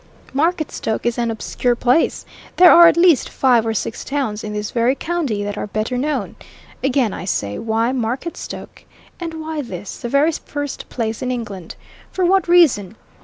Marketstoke is an obscure place there are at least five or six towns in this very county that are better known. Again, I say why Marketstoke? And why this, the very first place in England? For what reason?